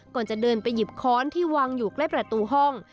ก่อนจะเดินไปหยิบค้อนที่วางอยู่ใกล้ประตูห้อง